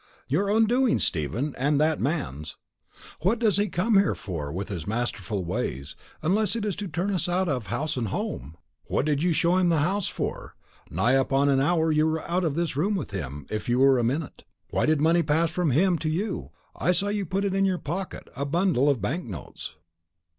"Your own doings, Stephen, and that man's. What does he come here for, with his masterful ways, unless it's to turn us out of house and home? What did you show him the house for? Nigh upon an hour you were out of this room with him, if you were a minute. Why did money pass from him to you? I saw you put it in your pocket a bundle of bank notes."